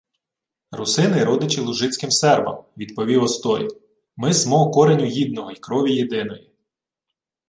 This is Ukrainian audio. — Русини родичі лужицьким сербам, — відповів Остой. — Ми смо кореню їдного й крові єдиної.